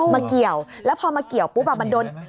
เกี่ยวแล้วพอมาเกี่ยวปุ๊บมันโดน